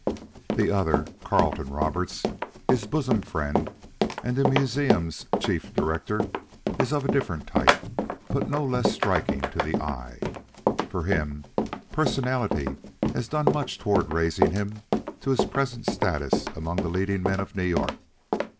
The other Carleton Roberts, his bosom friend, and the museum's chief director is of a different type, but no less striking to the eye. For him, personality has done much toward raising him to his present status among the leading men of New York.